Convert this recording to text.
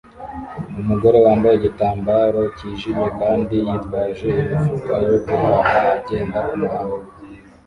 Umugore wambaye igitambaro kijimye kandi yitwaje imifuka yo guhaha agenda kumuhanda